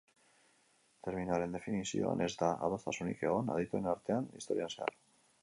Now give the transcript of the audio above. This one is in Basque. Terminoaren definizioan ez da adostasunik egon adituen artean historian zehar.